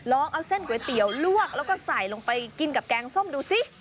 ลองเอาเส้นก๋วยเตี๋ยวลวกแล้วก็ใส่ลงไปกินกับแกงส้มดูซิ